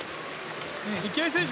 池江選手